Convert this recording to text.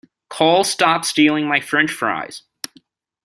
Cole, stop stealing my french fries!